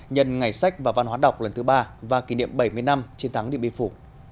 nhân ngày sách và văn hóa đọc lần thứ ba và kỷ niệm bảy mươi năm chiến thắng điện biên phủ